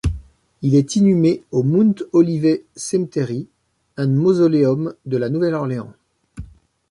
Il est inhumé au Mount Olivet Cemetery and Mausoleum de La Nouvelle-Orléans.